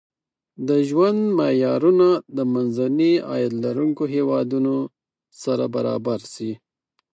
د ژوند معیارونه د منځني عاید لرونکو هېوادونو سره برابر شي.